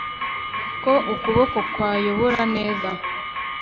Ko ukuboko kwayobora neza